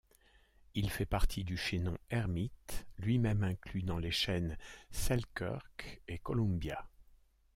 Il fait partie du chaînon Hermit, lui-même inclus dans les chaînes Selkirk et Columbia.